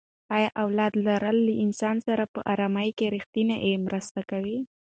ایا اولاد لرل له انسان سره په ارامي کې ریښتیا مرسته کوي؟